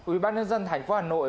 ủy ban nhân dân thành phố hà nội